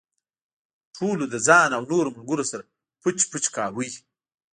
ټولو له ځان او نورو ملګرو سره پچ پچ کاوه.